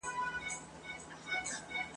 ګړی وروسته یې کرار سوله دردوونه !.